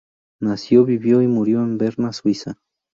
Nació, vivió y murió en Berna, Suiza.